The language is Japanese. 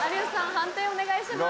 判定お願いします。